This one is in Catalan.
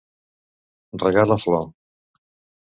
Regar la flor.